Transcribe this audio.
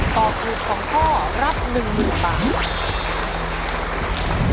ตอบถูก๒ข้อรับ๑หมื่นบาท